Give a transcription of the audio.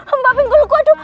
emak pinggul gue aduh